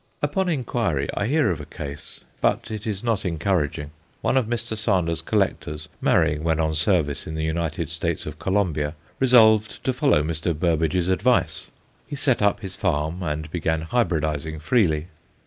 Upon inquiry I hear of a case, but it is not encouraging. One of Mr. Sander's collectors, marrying when on service in the United States of Colombia, resolved to follow Mr. Burbidge's advice. He set up his "farm" and began "hybridizing" freely.